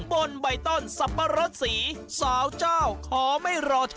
บนใบต้นสับปะรดสี